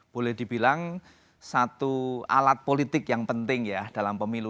boleh dibilang satu alat politik yang penting ya dalam pemilu